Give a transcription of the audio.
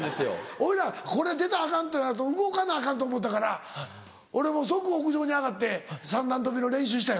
俺らこれ出たらアカンってなると動かなアカンと思うたから俺もう即屋上に上がって三段跳びの練習したよ。